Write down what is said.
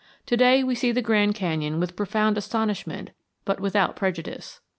To day we see the Grand Canyon with profound astonishment but without prejudice.